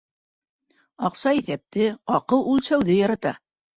Аҡса иҫәпте, аҡыл үлсәүҙе ярата.